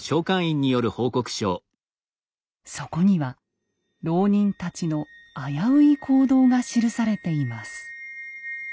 そこには牢人たちの危うい行動が記されています。